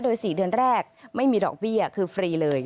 โดย๔เดือนแรกไม่มีดอกเบี้ยคือฟรีเลย